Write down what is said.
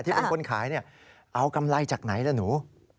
ที่เป็นคนขายเนี่ยเอากำไรจากไหนล่ะหนู